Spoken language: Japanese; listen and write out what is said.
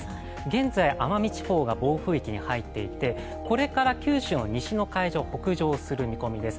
現在、奄美地方が暴風域に入っていてこれから九州の西の海上を北上する見込みです。